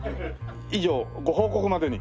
以上ご報告までに。